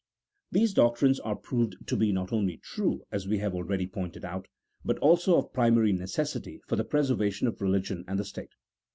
These doctrines are proved to be not only true (as we have already pointed out), but also of primary necessity for the preservation of religion and the state.